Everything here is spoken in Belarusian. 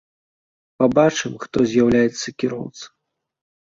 Пабачым, хто з'яўляецца кіроўца.